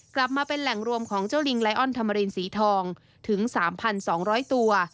กลับมาเป็นแหล่งรวมของเจ้าลิงไลออนธรรมรินสีทองถึง๓๒๐๐ตัว